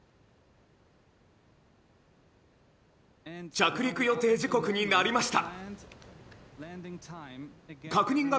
着陸予定時刻になりました！